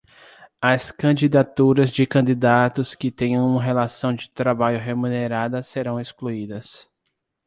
As candidaturas de candidatos que tenham uma relação de trabalho remunerada serão excluídas.